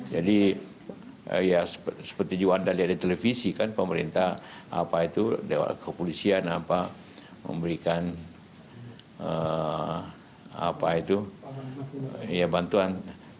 jadi ya seperti di wanda di televisi kan pemerintah apa itu kepolisian apa memberikan bantuan